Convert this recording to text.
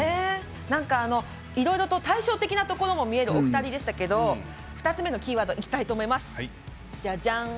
いろいろと対照的なところも見えるお二人でしたけど２つ目のキーワードいきたいと思います。